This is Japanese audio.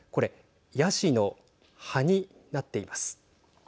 これ、ヤシの葉になっています。